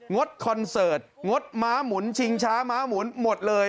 ดคอนเสิร์ตงดม้าหมุนชิงช้าม้าหมุนหมดเลย